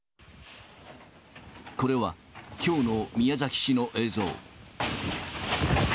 これはきょうの宮崎市の映像。